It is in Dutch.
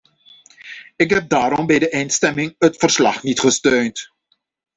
Ik heb daarom bij de eindstemming het verslag niet gesteund.